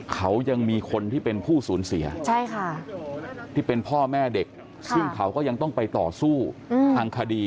เขายังมีคนที่เป็นผู้สูญเสียที่เป็นพ่อแม่เด็กซึ่งเขาก็ยังต้องไปต่อสู้ทางคดี